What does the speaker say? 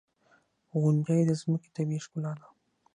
• غونډۍ د ځمکې طبیعي ښکلا ده.